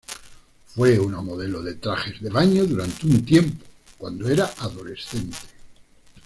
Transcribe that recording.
Fue una modelo de trajes de baño durante un tiempo cuando era adolescente.